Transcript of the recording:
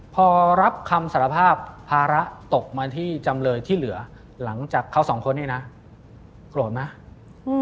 พอรับคำสารภาพภาระตกมาที่จำเลยที่เหลือหลังจากเขาสองคนนี้นะโกรธไหม